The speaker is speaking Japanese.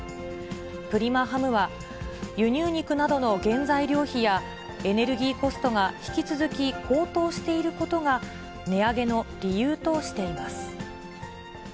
プリマハムは、輸入肉などの原材料費や、エネルギーコストが引き続き高騰していることが、値上げの理由としています。